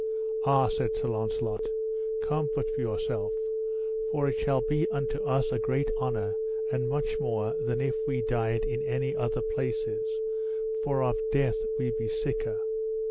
Ah, said Sir Launcelot, comfort yourself; for it shall be unto us a great honour and much more than if we died in any other places, for of death we be siker.